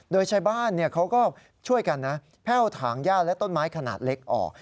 โดยชาวบ้านเขาก็ช่วยกันนะแพ่วถางย่าและต้นไม้ขนาดเล็กออก